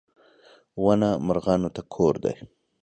• ونه مرغانو ته کور دی.